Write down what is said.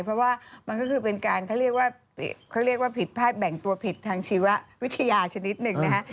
เพราะว่ามันก็คือเป็นการพิภาษาแบ่งตัวผิดทางชีววิทยาชนิดหนึ่งนะฮะ